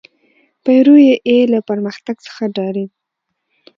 پیرو یې له پرمختګ څخه ډارېد.